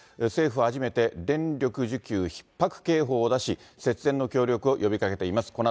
政府は初めて、電力需給ひっ迫警報を出し、節電の協力を呼びかけています。